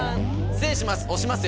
失礼します。